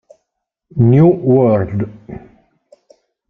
New World